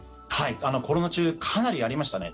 コロナ中かなりありましたね。